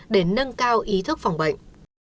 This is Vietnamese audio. để nâng cao ý thức phòng bệnh